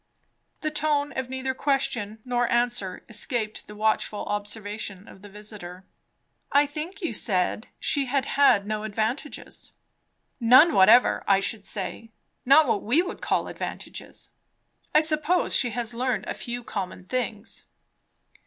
The tone of neither question nor answer escaped the watchful observation of the visiter. "I think you said she had had no advantages?" "None whatever, I should say; not what we would call advantages. I suppose she has learned a few common things."